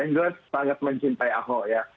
angle sangat mencintai ahok ya